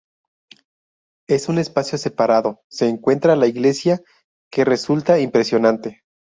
En un espacio separado se encuentra la iglesia, que resulta impresionante.